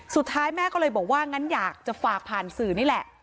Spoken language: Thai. สุดท้ายแม่ก็เลยบอกว่างั้นอยากจะฝากผ่านสื่อนี่แหละ